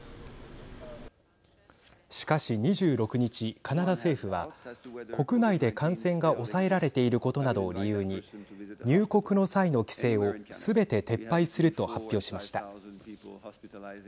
しかし、２６日カナダ政府は、国内で感染が抑えられていることなどを理由に入国の際の規制をすべて撤廃すると発表しました。